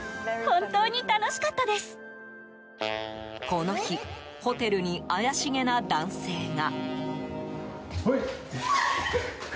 この日、ホテルに怪しげな男性が。